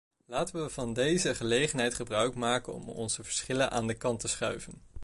Laten we van deze gelegenheid gebruikmaken om onze verschillen aan de kant te schuiven.